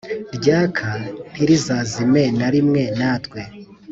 Ryaka ntirizazime na rimwe natwe